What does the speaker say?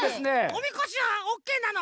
おみこしはオッケーなの？